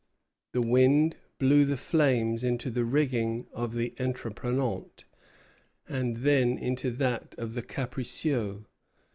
The wind blew the flames into the rigging of the "Entreprenant," and then into that of the "Capricieux."